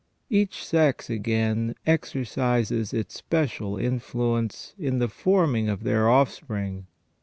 Each sex, again, exercises its special influence in the forming of their offspring.